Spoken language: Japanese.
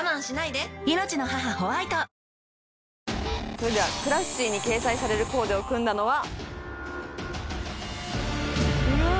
それでは「ＣＬＡＳＳＹ．」に掲載されるコーデを組んだのはうわん！